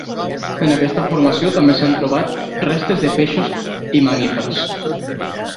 En aquesta formació també s'han trobat restes de peixos i mamífers.